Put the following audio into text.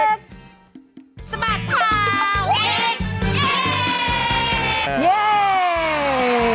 สบัดผ้าเด็ก